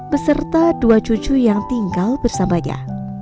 beserta dua cucu yang tinggal bersamanya